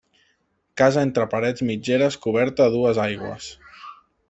Casa entre parets mitgeres coberta a dues aigües.